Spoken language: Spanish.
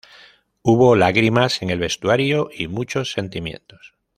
Hubo lágrimas en el vestuario y muchos sentimientos.